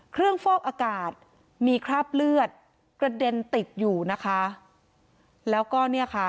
ฟอกอากาศมีคราบเลือดกระเด็นติดอยู่นะคะแล้วก็เนี่ยค่ะ